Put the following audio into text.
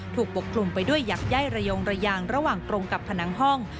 ปกคลุมไปด้วยหยักย่ายระยงระยางระหว่างตรงกับผนังห้อง